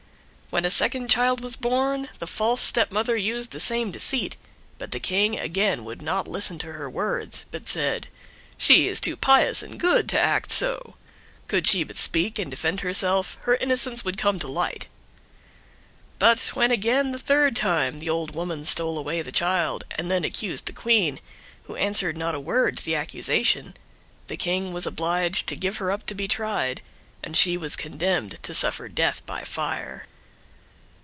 When a second child was born, the false stepmother used the same deceit, but the King again would not listen to her words, but said, "She is too pious and good to act so: could she but speak and defend herself, her innocence would come to light." But when again the third time the old woman stole away the child, and then accused the Queen, who answered her not a word to the accusation, the King was obliged to give her up to be tried, and she was condemned to suffer death by fire.